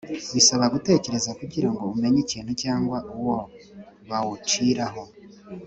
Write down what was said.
Bisaba gutekereza kugira ngo umenye ikintu cyangwa uwo bawuciraho